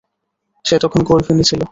সে তখন গর্ভিণী ছিল।